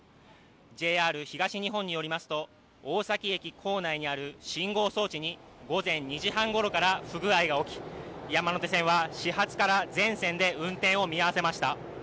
ＪＲ東日本によりますと、大崎駅構内にある信号装置に午前２時半ごろから不具合が起き山手線は始発から全線で運転を見合わせました。